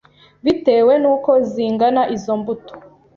bitewe n’uko zingana izo mbuto